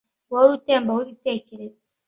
Guhora utemba wibitekerezo